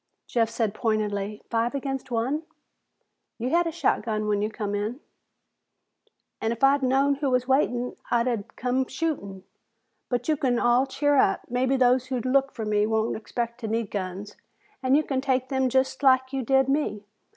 Jeff said pointedly, "Five against one?" "You had a shotgun when you come in." "And if I'd known who was waiting, I'd have come shooting. But you can all cheer up. Maybe those who look for me won't expect to need guns, and you can take them just like you did me.